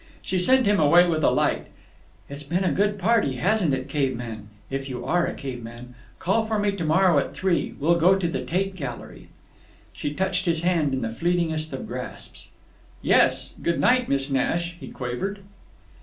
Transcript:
She sent him away with a light "It's been a good party, hasn't it, caveman? (If you are a caveman.) Call for me tomorrow at three. We'll go to the Tate Gallery." She touched his hand in the fleetingest of grasps. "Yes. Good night, Miss Nash," he quavered.